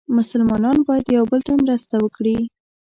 مسلمانان باید یو بل ته مرسته وکړي.